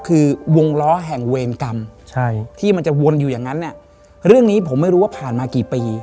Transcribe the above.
คือวงล้อแห่งเวรกรรมใช่ที่มันจะวนอยู่อย่างนั้นเนี่ยเรื่องนี้ผมไม่รู้ว่าผ่านมากี่ปี